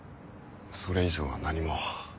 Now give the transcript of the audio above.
それ以上は何も。